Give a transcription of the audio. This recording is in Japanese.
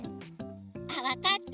あっわかった。